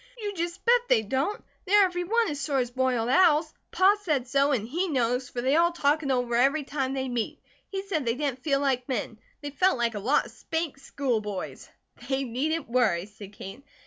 "You just bet they don't! They are every one as sore as boiled owls. Pa said so, and he knows, for they all talk it over every time they meet. He said they didn't feel like men, they felt like a lot of 'spanked school boys.'" "They needn't worry," said Kate.